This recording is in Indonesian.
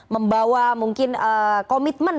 membawa mungkin komitmen